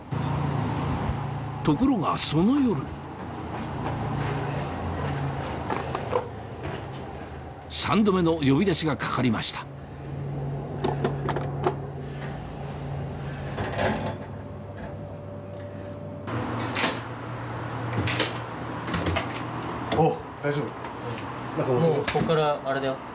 ところがその夜３度目の呼び出しがかかりましたＯＫ。